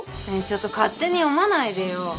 ねえちょっと勝手に読まないでよ。